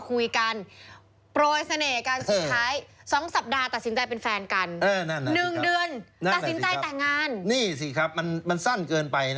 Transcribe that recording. อคุณคุณหิมมันก็เป็นเรื่องผิดสูตรยากไง